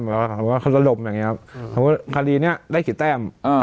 หรือว่าเขาจะดมอย่างเงี้ยครับสมมุติว่าคดีเนี้ยได้กี่แป้มอ่า